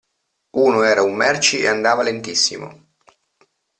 Uno era un merci e andava lentissimo.